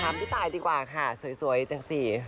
พี่ตายดีกว่าค่ะสวยจังสิ